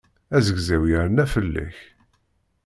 Azegzaw yerna fell-ak.